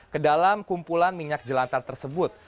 ke dalam kumpulan minyak jelantah tersebut